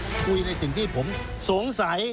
ขอพูดในสิ่งที่ผมสงสัย